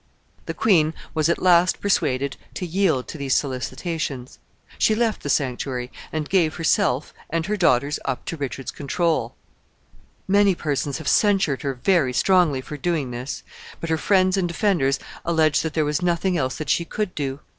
The queen was at last persuaded to yield to these solicitations. She left the sanctuary, and gave herself and her daughters up to Richard's control. Many persons have censured her very strongly for doing this; but her friends and defenders allege that there was nothing else that she could do.